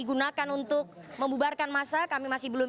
gambar adalah kita lihat